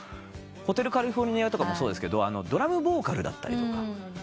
『ホテル・カリフォルニア』もそうですけどドラムボーカルだったりとか。